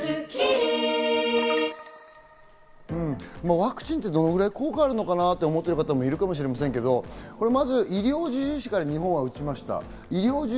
ワクチンってどれぐらい効果があるのかなって思ってる方もいるかもしれませんけど、医療従事者からまず日本は打ちました。